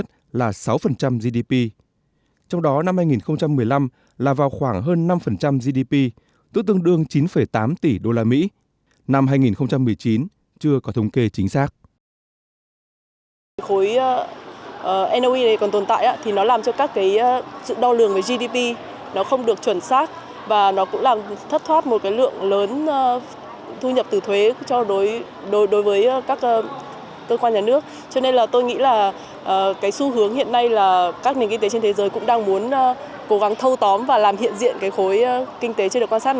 năm tám tỷ đô la mỹ năm hai nghìn một mươi chín chưa có thống kê chính xác